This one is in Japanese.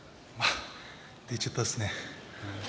泣いちゃったんですね。